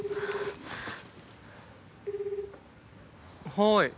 はい。